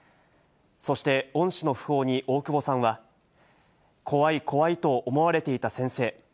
そして恩師の訃報に大久保さんは、怖い怖いと思われていた先生。